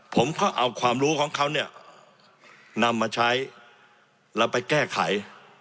ผมก็เอาความรู้ของเขาเนี่ยนำมาใช้แล้วไปแก้ไข